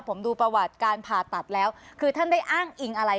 ผมดูประวัติการผ่าตัดแล้วคือท่านได้อ้างอิงอะไร